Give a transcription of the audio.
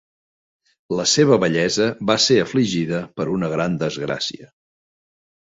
La seva vellesa va ser afligida per una gran desgràcia.